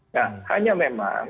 nah hanya memang